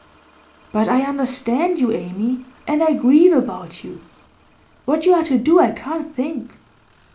'But I understand you, Amy, and I grieve about you. What you are to do I can't think.